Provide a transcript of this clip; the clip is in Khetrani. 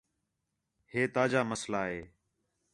ہے تا جا مسئلہ ہے